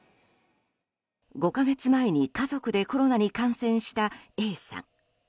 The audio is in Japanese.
５か月前に家族でコロナに感染したＡさん。